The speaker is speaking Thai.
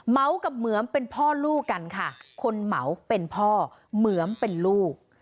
กับเหมือมเป็นพ่อลูกกันค่ะคนเหมาเป็นพ่อเหมือนเป็นลูก